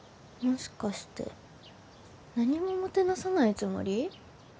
もしかして何ももてなさないつもり？